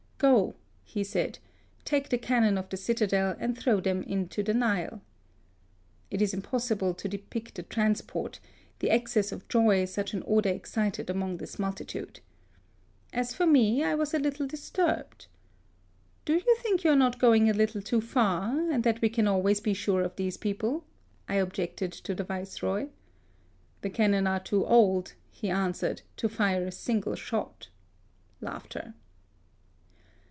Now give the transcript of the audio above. " Go,^' he said, take the cannon of the citadel and throw them into the Nile.^' It is impossible to depict the transport, the excess of joy, such an order excited among this multitude. As for me, I was a little disturbed. " Do you think you are not going a little too far, and that we can always be sure of these people 1" I objected to the Viceroy. "The cannon are too old,'^ he answered, to fire a single shot.''